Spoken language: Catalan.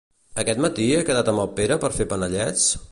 Aquest matí he quedat amb el Pere per fer panellets?